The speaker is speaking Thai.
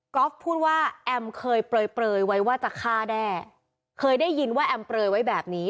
ก็พูดว่าแอมเคยเปลยไว้ว่าจะฆ่าแด้เคยได้ยินว่าแอมเปลยไว้แบบนี้